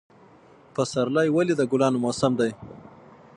پسرلی ولې د ګلانو موسم دی؟